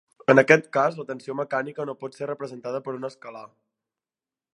En aquest cas la tensió mecànica no pot ser representada per un escalar.